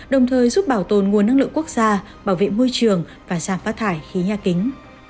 đồng thời giúp bảo tồn nguồn năng lượng quốc gia bảo vệ môi trường và giảm phát thải khí nhà kính